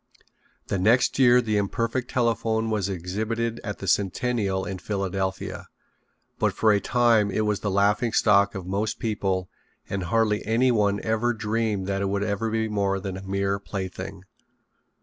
The next year the imperfect telephone was exhibited at the Centennial in Philadelphia, but for a time it was the laughing stock of most people and hardly anyone ever dreamed that it would ever be more than a mere plaything.